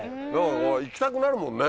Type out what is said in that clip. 行きたくなるもんね。